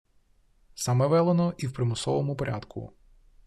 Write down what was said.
Саме велено, і в примусовому порядку